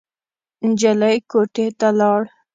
نجلۍ کوټې ته لاړ.